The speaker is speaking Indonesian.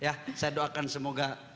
ya saya doakan semoga